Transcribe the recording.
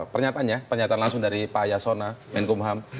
pernyataannya pernyataan langsung dari pak yasona menkumham